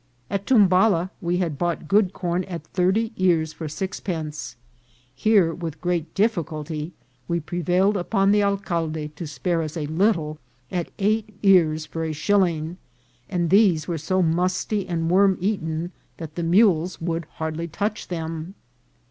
At Tumbala we had bought good corn at thirty ears for sixpence ; here, with great difficulty, we prevailed upon the alcalde to spare us a little at eight ears for a shilling, and these were so musty and worm eaten that the mules would hardly touch them.